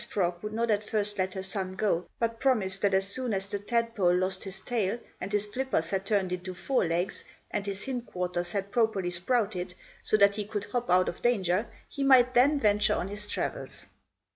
Frog would not at first let her son go, but promised that as soon as the tadpole lost his tail, and his flippers had turned into fore legs, and his hind quarters had properly sprouted, so that he could hop out of danger, he might then venture on his travels.